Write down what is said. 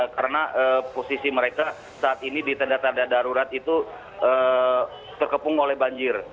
karena posisi mereka saat ini di tanda tanda darurat itu terkepung oleh banjir